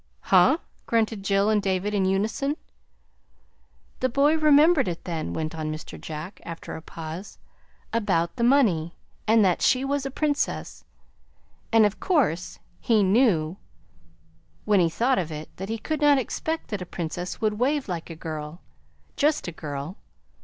"Huh!" grunted Jill and David in unison. "The boy remembered it then," went on Mr. Jack, after a pause, "about the money, and that she was a Princess. And of course he knew when he thought of it that he could not expect that a Princess would wave like a girl just a girl.